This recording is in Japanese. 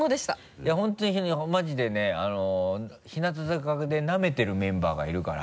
いや本当にマジでね日向坂でなめてるメンバーがいるから。